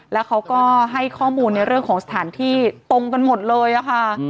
แล้วเขาก็ให้ข้อมูลในเรื่องของสถานที่ตรงกันหมดเลยค่ะ